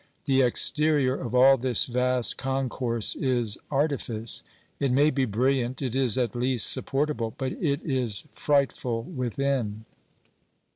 The exterior of all this vast concourse is artifice ; it may be brilliant — it is at least supportable — but it is frightful within.